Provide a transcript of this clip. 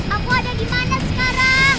aku ada dimana sekarang